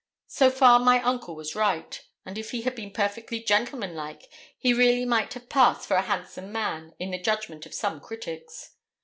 So far my uncle was right; and if he had been perfectly gentlemanlike, he really might have passed for a handsome man in the judgment of some critics.